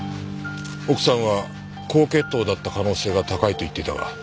奥さんは高血糖だった可能性が高いと言っていたが。